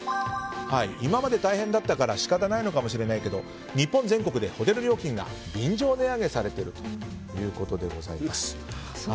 今まで大変だったから仕方ないのかもしれないけど日本全国でホテル料金が便乗値上げされているということです。